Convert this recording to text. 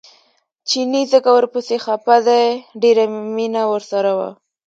چیني ځکه ورپسې خپه دی ډېره یې مینه ورسره وه.